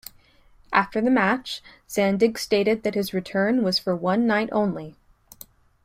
After the match, Zandig stated that his return was for one night only.